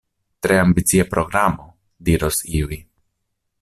Tre ambicia programo, diros iuj.